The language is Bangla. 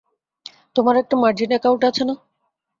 তোমার একটা মার্জিন একাউন্ট আছে না?